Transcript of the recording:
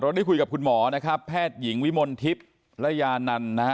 รถที่คุยกับคุณหมอนะครับแพทย์หญิงวิมลทริปและยานร์นนะ